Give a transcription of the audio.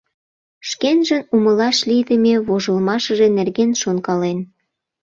Шкенжын умылаш лийдыме вожылмашыже нерген шонкален.